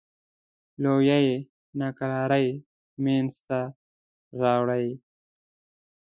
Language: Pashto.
لویې ناکرارۍ منځته راوړې.